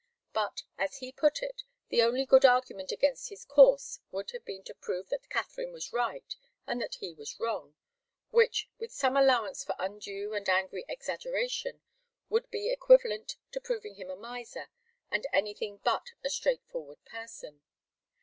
But as he put it, the only good argument against his course would have been to prove that Katharine was right and that he was wrong, which, with some allowance for undue and angry exaggeration, would be equivalent to proving him a miser and anything but a straightforward person.